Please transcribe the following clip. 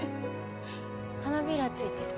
花びら付いてる。